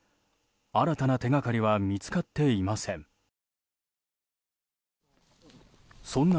新たな手掛かりは見つかっていません。